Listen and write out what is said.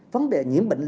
vấn đề nhiễm bệnh